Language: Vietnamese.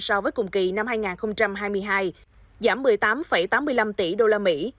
so với cùng kỳ năm hai nghìn hai mươi hai giảm một mươi tám tám mươi năm tỷ đô la mỹ